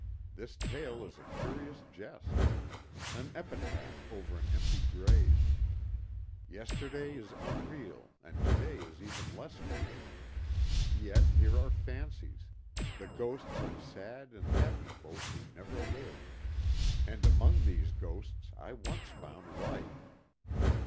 This tale is a curious jest. An epitaph over an empty grave. Yesterday is unreal and today is even less real. Yet here are fancies, the ghosts of sad and happy folk who never lived. And among these ghosts I once found life...."